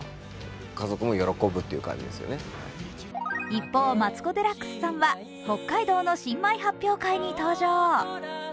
一方、マツコ・デラックスさんは、北海道の新米発表会に登場。